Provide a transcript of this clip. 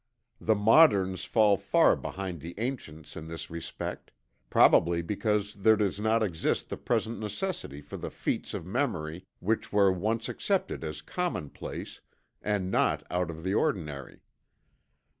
The moderns fall far behind the ancients in this respect; probably because there does not exist the present necessity for the feats of memory which were once accepted as commonplace and not out of the ordinary.